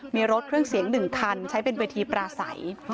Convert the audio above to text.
มีรถเครื่องเสียง๑คันใช้เป็นเวทีปราศัย